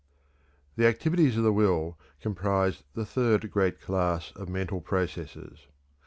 The activities of the will comprise the third great class of mental processes.